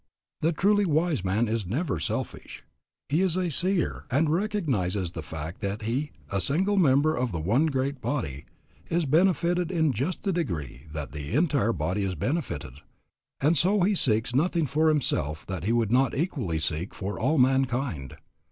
The truly wise man is never selfish. He is a seer, and recognizes the fact that he, a single member of the one great body, is benefited in just the degree that the entire body is benefited, and so he seeks nothing for himself that he would not equally seek for all mankind.